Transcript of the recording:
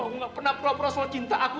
aku gak pernah pura pura soal cinta aku